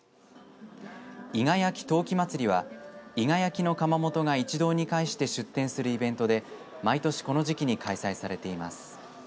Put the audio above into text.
伊賀焼陶器まつりは伊賀焼の窯元が一堂に会して出店するイベントで毎年この時期に開催されています。